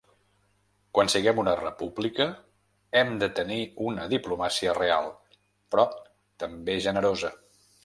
Quan siguem una república hem de tenir una diplomàcia real, però també generosa.